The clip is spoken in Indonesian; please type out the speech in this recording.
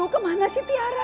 aduh kemana sih tiara